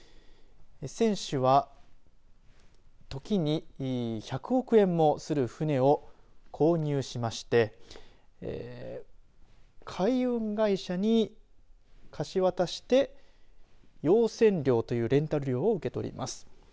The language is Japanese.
船主は時に１００億円もする船を購入しまして海運会社に貸し渡して用船料というレンタル料を受け取ります。